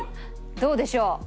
どうでしょう？